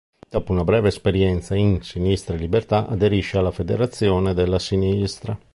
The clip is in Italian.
Dopo una breve esperienza in Sinistra e Libertà aderisce alla Federazione della Sinistra.